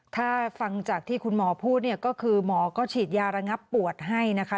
ถ้าฟังจากที่คุณหมอพูดเนี่ยก็คือหมอก็ฉีดยาระงับปวดให้นะคะ